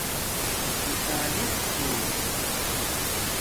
تُشالژکوٹ